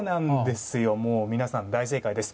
皆さん大正解です。